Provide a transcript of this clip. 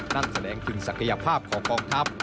นั่นแสดงถึงศักยภาพของกองทัพ